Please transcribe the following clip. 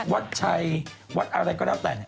วัดชัยวัดอะไรก็แล้วแต่